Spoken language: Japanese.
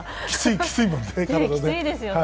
きついもんね、体、ね。